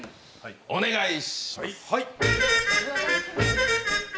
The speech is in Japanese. お願いします。